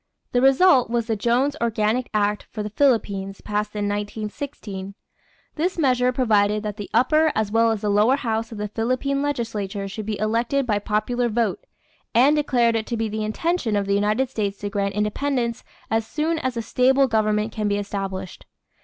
The result was the Jones Organic Act for the Philippines passed in 1916. This measure provided that the upper as well as the lower house of the Philippine legislature should be elected by popular vote, and declared it to be the intention of the United States to grant independence "as soon as a stable government can be established."